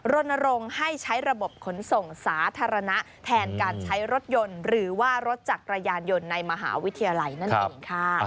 รณรงค์ให้ใช้ระบบขนส่งสาธารณะแทนการใช้รถยนต์หรือว่ารถจักรยานยนต์ในมหาวิทยาลัยนั่นเองค่ะ